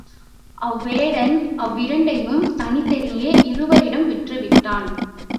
அவ் வேடன் அவ்விரண்டையும் தனித் தனியே இருவரிடம் விற்றுவிட்டான்.